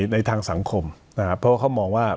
ในทางสังคมเพราะว่าเขามองว่า